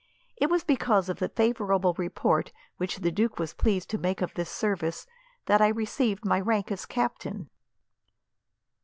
It was because of the favourable report, which the duke was pleased to make of this service, that I received my rank as captain."